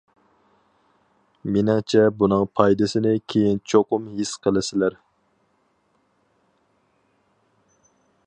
مېنىڭچە بۇنىڭ پايدىسىنى كېيىن چوقۇم ھېس قىلىسىلەر.